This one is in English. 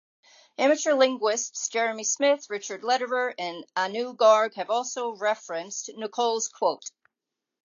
Amateur linguists Jeremy Smith, Richard Lederer, and Anu Garg have also referenced Nicoll's quote.